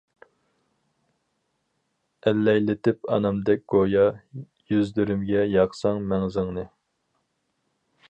ئەللەيلىتىپ ئانامدەك گويا، يۈزلىرىمگە ياقساڭ مەڭزىڭنى.